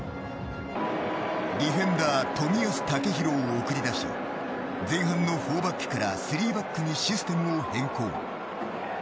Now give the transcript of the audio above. ディフェンダー冨安健洋を送り出し前半の４バックから３バックにシステムを変更。